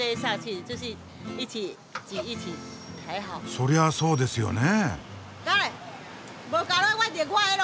そりゃそうですよね。